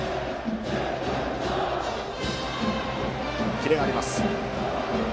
キレがあります。